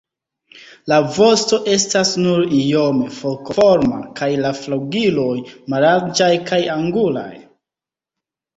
La vosto estas nur iome forkoforma kaj la flugiloj mallarĝaj kaj angulaj.